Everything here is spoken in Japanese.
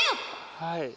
はい。